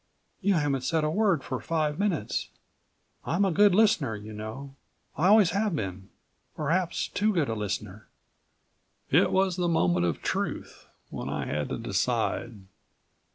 "You haven't said a word for five minutes. I'm a good listener, you know. I always have been perhaps too good a listener." It was the moment of truth, when I had to decide.